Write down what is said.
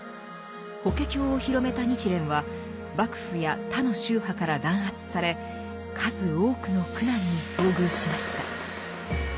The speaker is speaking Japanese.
「法華経」を広めた日蓮は幕府や他の宗派から弾圧され数多くの苦難に遭遇しました。